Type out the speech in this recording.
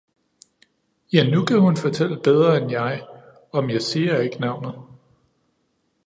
Ja nu kan hun fortælle bedre end jeg om jeg siger ikke navnet